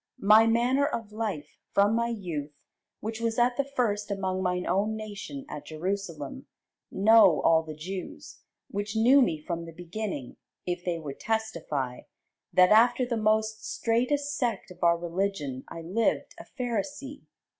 My manner of life from my youth, which was at the first among mine own nation at Jerusalem, know all the Jews; which knew me from the beginning, if they would testify, that after the most straitest sect of our religion I lived a Pharisee.